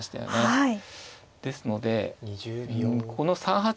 はい。